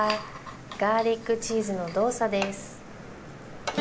ガーリックチーズのドーサです。